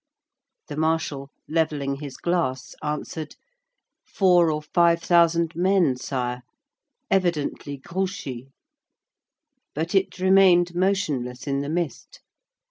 The marshal, levelling his glass, answered, "Four or five thousand men, Sire; evidently Grouchy." But it remained motionless in the mist.